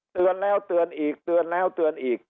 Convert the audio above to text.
เตือนแล้วเตือนอีกเตือนแล้วเตือนอีก